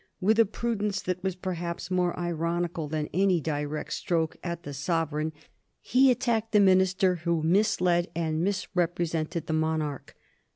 With a prudence that was perhaps more ironical than any direct stroke at the sovereign, he attacked the minister who misled and misrepresented the monarch.